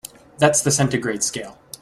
That's the centigrade scale.